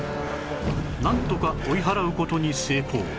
なんとか追い払う事に成功